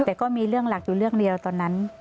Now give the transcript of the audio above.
แต่ก็มีเรื่องหลักอยู่เรื่องเดียวตอนนั้น